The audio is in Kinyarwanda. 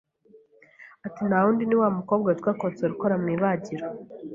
ati nta wundi ni wa mukobwa witwa Consolée, ukora mu ibagiro